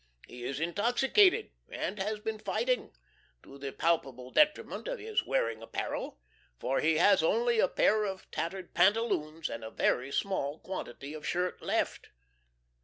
He is intoxicated, and has been fighting, to the palpable detriment of his wearing apparel; for he has only a pair of tattered pantaloons and a very small quantity of shirt left.